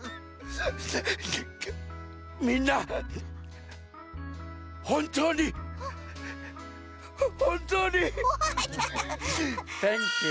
みんなほんとうにほんとうにサンキュー。